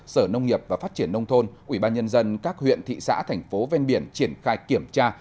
sở nông nghiệp và phát triển nông thôn ubnd các huyện thị xã thành phố ven biển triển khai kiểm tra